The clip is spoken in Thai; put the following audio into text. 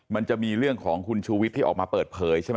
มันจะมีเรื่องของคุณชูวิทย์ที่ออกมาเปิดเผยใช่ไหม